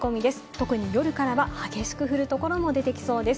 特に夜からは激しく降るところも出てきそうです。